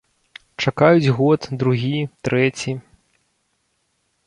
Чакаюць год, другі, трэці.